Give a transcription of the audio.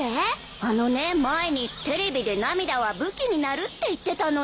あのね前にテレビで涙は武器になるって言ってたのよ。